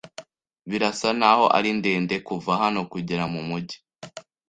Birasa naho ari ndende kuva hano kugera mumujyi.